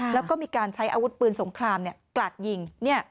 แล้วก็มีการใช้อาวุธปืนสงครามกราดยิง